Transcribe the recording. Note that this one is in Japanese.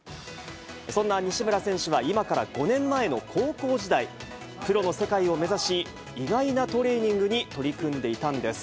そんな西村選手は今から５年前の高校時代、プロの世界を目指し、意外なトレーニングに取り組んでいたんです。